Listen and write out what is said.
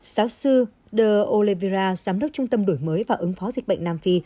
sáu sư de oliveira giám đốc trung tâm đổi mới và ứng phó dịch bệnh nam phi